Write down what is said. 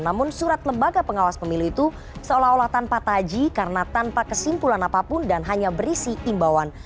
namun surat lembaga pengawas pemilu itu seolah olah tanpa taji karena tanpa kesimpulan apapun dan hanya berisi imbauan